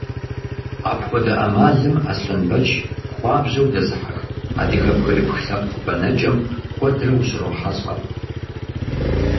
Апхуэдэ ӏэмалым Аслъэнбэч хуабжьу дэзыхьэх адыгэ бгырыпх лъэпкъ бэнэкӏэм куэдрэ ущрохьэлӏэ.